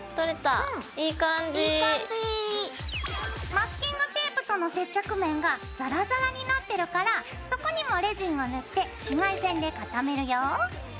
マスキングテープとの接着面がザラザラになってるからそこにもレジンを塗って紫外線で固めるよ。